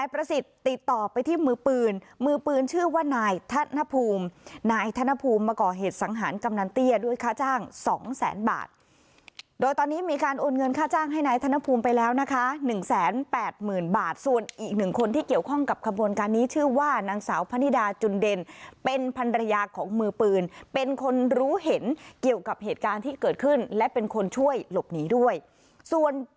ประกอเหตุสังหารกำนันเตี้ยด้วยค่าจ้างสองแสนบาทโดยตอนนี้มีการโอนเงินค่าจ้างให้นายธนภูมิไปแล้วนะคะหนึ่งแสนแปดหมื่นบาทส่วนอีกหนึ่งคนที่เกี่ยวข้องกับขบวนการนี้ชื่อว่านางสาวพนิดาจุนเด็นเป็นพันธุระยากของมือปืนเป็นคนรู้เห็นเกี่ยวกับเหตุการณ์ที่เกิดขึ้นและเป็นคนช่วยหลบหนีด้วยส่